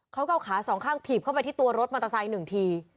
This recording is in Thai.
เขาก็เอาขาสองข้างถีบเข้าไปที่ตัวรถมอเตอร์ไซค์๑ที